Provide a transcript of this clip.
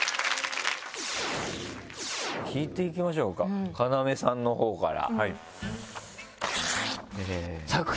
聞いていきましょうか要さんのほうから。